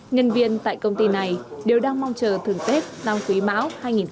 nhân viên tại công ty này đều đang mong chờ thưởng tết năm quý máu hai nghìn hai mươi ba